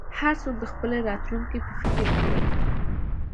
هر څوک د خپلې راتلونکې په فکر کې وي.